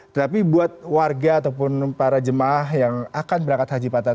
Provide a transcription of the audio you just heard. tetapi buat warga ataupun para jemaah yang akan berhasil menambahkan